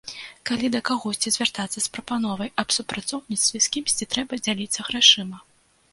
Калі да кагосьці звяртацца з прапановай аб супрацоўніцтве, з кімсьці трэба дзяліцца грашыма.